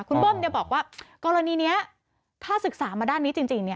คุณเบิ้มบอกว่ากรณีนี้ถ้าศึกษามาด้านนี้จริง